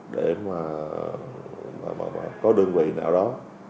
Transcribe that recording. để mà có đơn vị nào đó